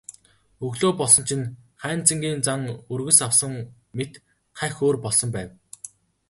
Өглөө болсон чинь Хайнзангийн зан өргөс авсан мэт хахь өөр болсон байв.